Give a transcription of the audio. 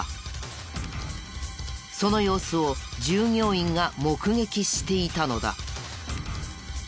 その様子を従業員が目撃していたのだ。